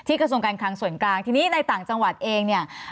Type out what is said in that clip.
กระทรวงการคลังส่วนกลางทีนี้ในต่างจังหวัดเองเนี่ย